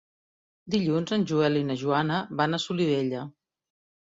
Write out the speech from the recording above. Dilluns en Joel i na Joana van a Solivella.